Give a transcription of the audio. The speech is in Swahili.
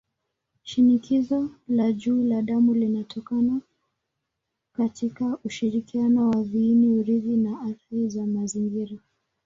Shinikizo la juu la damu linatokana katika ushirikiano wa viini-urithi na athari za mazingira.